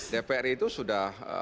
dpr itu sudah